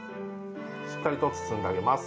しっかりと包んであげます。